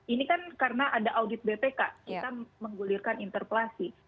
ini kan karena ada audit bpk kita menggulirkan interpelasi